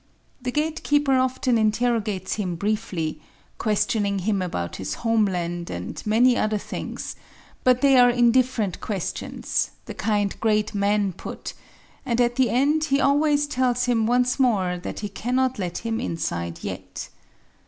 The gatekeeper often interrogates him briefly, questioning him about his homeland and many other things, but they are indifferent questions, the kind great men put, and at the end he always tells him once more that he cannot let him inside yet.